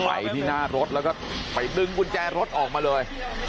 ไปที่หน้ารถแล้วก็ไปดึงกุญแจรถออกมาเลย